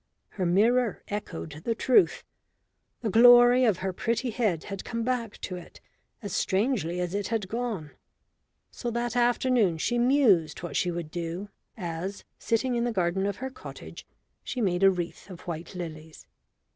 Her mirror echoed the truth. The glory of her pretty head had come back to it as strangely as it had gone. So that afternoon she mused what she would do as, sitting in the garden of her cottage, she made a wreath of white lilies.